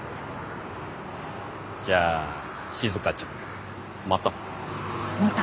じゃあしずかちゃんまた。また。